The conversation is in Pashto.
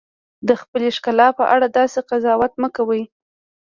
د خپلې ښکلا په اړه داسې قضاوت مه کوئ.